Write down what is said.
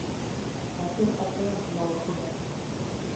Ҡатын артынан мал килә